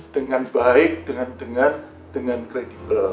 dengan baik dengan kredibel